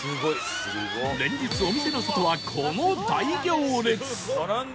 連日お店の外はこの大行列！